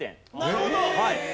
なるほど！